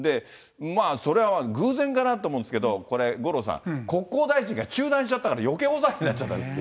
そりゃ偶然かなと思うんですけど、これ五郎さん、国交大臣が中断しちゃったからよけい大騒ぎになっちゃったんです。